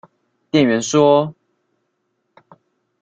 店員說